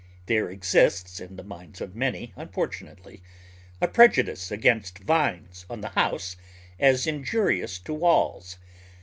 There exists in the minds of many, unfortunately, a prejudice against vines on the house as injurious to walls.